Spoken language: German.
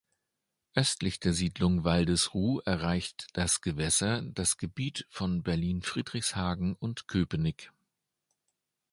Östlich der Siedlung Waldesruh erreicht das Gewässer das Gebiet von Berlin-Friedrichshagen und Köpenick.